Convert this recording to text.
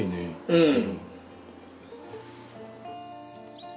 うん。